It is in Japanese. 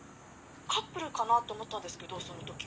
カップルかなと思ったんですけどそのときは。